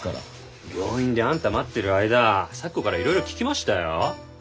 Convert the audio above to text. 病院であんた待ってる間咲子からいろいろ聞きましたよ。